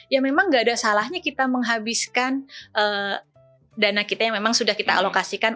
ya memang gak ada salahnya kita menghabiskan dana kita yang memang sudah kita alokasikan